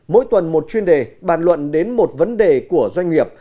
mỗi tuần một chuyên đề bàn luận đến một vấn đề của doanh nghiệp